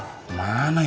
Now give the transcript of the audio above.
kasus baik yang ada